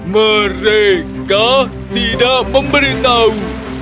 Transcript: mereka tidak memberitahu